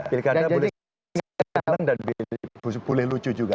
pilih karena boleh senang dan boleh lucu juga